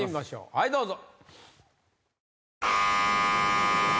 はいどうぞ。